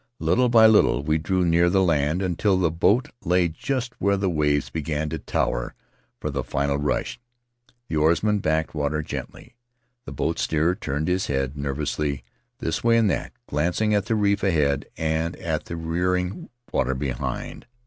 Little by little we drew near the land until the boat lay just where the waves began to tower for the final rush; the oarsmen backed water gently — the boat steerer turned his head ner vously this way and that, glancing at the reef ahead and at the rearing water behind.